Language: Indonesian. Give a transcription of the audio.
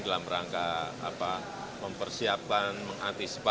dalam rangka mempersiapkan mengantisipasi